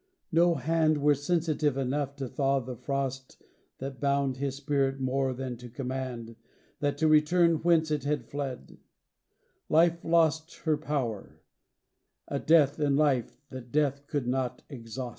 No hand Were sensitive enough to thaw the frost That bound his spirit more than to command That to return whence it had fled; life lost Her power; a death in life that death could not ex haust.